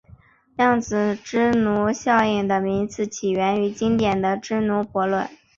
量子芝诺效应的名字起源于经典的芝诺悖论。